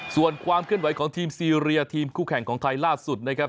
ส่วนความเคลื่อนไหวของทีมซีเรียทีมคู่แข่งของไทยล่าสุดนะครับ